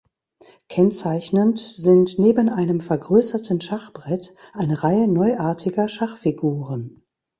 Kennzeichnend sind neben einem vergrößerten Schachbrett eine Reihe neuartiger Schachfiguren.